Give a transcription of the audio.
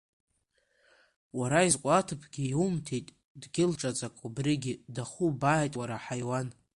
Уара изқәаҭыԥгьы иумҭеит дгьыл ҿаҵак, убригьы дахубааит, уара аҳаиуан.